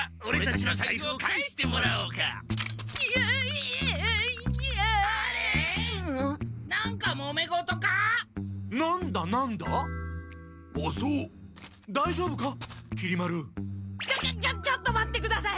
ちょちょちょちょっと待ってください！